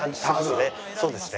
そうですね。